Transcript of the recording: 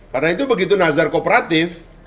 karena itu begitu nazar kooperatif